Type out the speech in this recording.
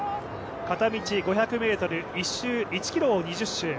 片道５００ｍ、１周１ｋｍを２０周。